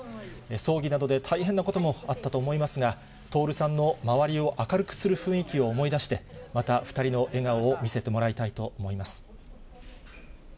葬儀などで大変なこともあったと思いますが、徹さんの周りを明るくする雰囲気を思い出して、また２人の笑顔を見せてもらいたいと思います。